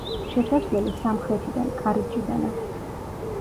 შესასვლელი სამხრეთიდან, კარიბჭიდან აქვს.